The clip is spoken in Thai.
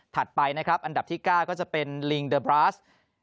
ไปนะครับอันดับที่๙ก็จะเป็นลิงเดอร์บราส